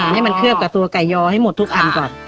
ให้มันเคลือบกับตัวไก่ยอให้หมดทุกอันก่อน